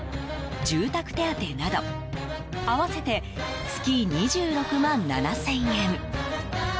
住宅手当など合わせて月２６万７０００円。